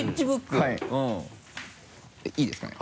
いいですかね？